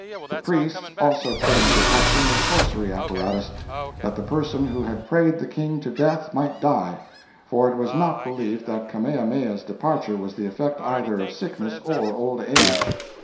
The priests, also, put into action the sorcery apparatus, that the person who had prayed the King to death might die; for it was not believed that Kamehameha's departure was the effect either of sickness or old age.